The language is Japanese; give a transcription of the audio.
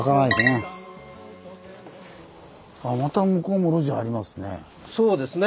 あまた向こうも路地ありますね。